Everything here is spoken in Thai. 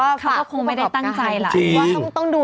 ดีน่ะกินของออร์แกนิคก็สงสารผู้ประกอบการไม่อยากไปซ้ำเติมอะไรแข็งแด๋ว